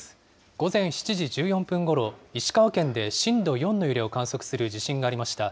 午前７時１４分ごろ、石川県で震度４の揺れを観測する地震がありました。